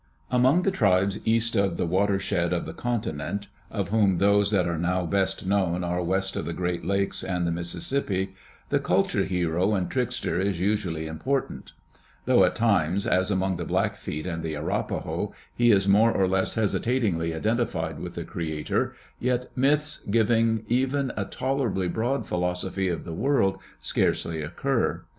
Among the tribes east of the water shed of the continent, of whom those that are now best known are west of the Great Lakes and the Mississippi, the culture hero and trickster is usually important. Though at times, as among the Blackfeet and the Arapaho, he is more or less hesitatingly identified with the creator, yet myths giving even a tolerably broad philosophy of the world scarcely occur.